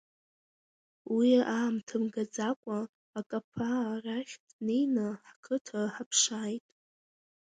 Уи аамҭа мгаӡакәа Акаԥаа рахь днеины Ҳқыҭа ҳаԥшааит!